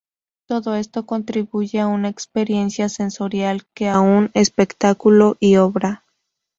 Todo esto contribuye a una experiencia sensorial que aúna espectáculo y obra.